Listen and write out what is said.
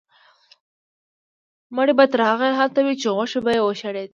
مړی به تر هغې هلته و چې غوښې به یې وشړېدې.